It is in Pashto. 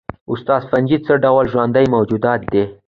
استاده فنجي څه ډول ژوندي موجودات دي